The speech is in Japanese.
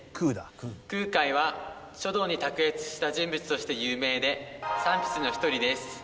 空海は書道に卓越した人物として有名で三筆の一人です。